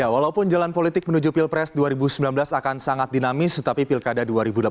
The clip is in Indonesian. walaupun jalan politik menuju pilpres dua ribu sembilan belas akan sangat dinamis tetapi pilkada dua ribu delapan belas